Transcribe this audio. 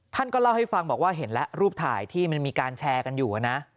ท่านก็เล่าให้ฟังบอกว่าเห็นแล้วรูปถ่ายที่มันมีการแชร์กันอยู่นะ